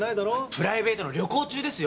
プライベートの旅行中ですよ。